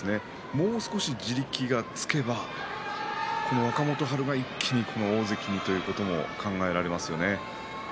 もう少し地力がつけばこの若元春が一気に大関ということも考えられますね。